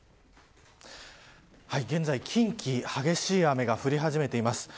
現在、近畿激しい雨が降り始めています。